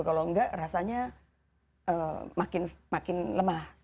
kalau enggak rasanya makin lemah